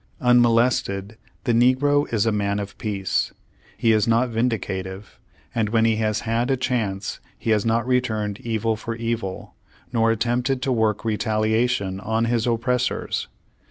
Unmolested, the negro is a man of peace. He is not vindicative, and when he has had a chance he has not returned evil for evil, nor at tempted to work retaliation on his oppressors.